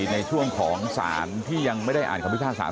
ในช่วงของสารที่ยังไม่ได้อ่านค